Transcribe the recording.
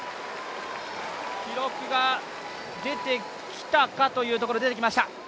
記録が出てきたかというところ、出てきました。